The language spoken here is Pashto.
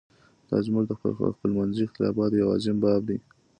دا زموږ د خپلمنځي اختلاف یو عظیم باب دی.